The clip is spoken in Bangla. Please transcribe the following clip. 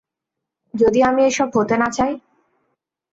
যদি আমি এসব হতে না চাই?